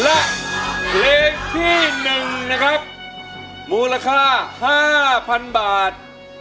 และเพลงที่๑นะครับมูลค่า๕๐๐๐บาท